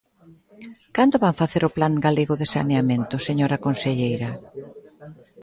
¿Cando van facer o Plan galego de saneamento, señora conselleira?